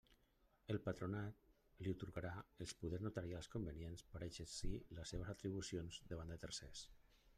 El Patronat li atorgarà els poders notarials convenients per exercir les seves atribucions davant de tercers.